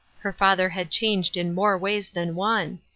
Her father had changed in more ways than one.